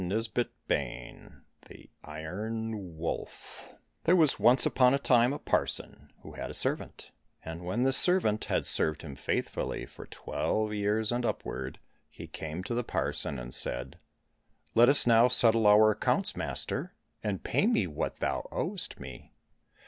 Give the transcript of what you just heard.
155 THE IRON WOLF THE IRON WOLF THERE was once upon a time a parson who had a servant, and when this servant had served him faithfully for twelve years and upward, he came to the parson and said, " Let us now settle our accounts, master, and pay me what thou owest me.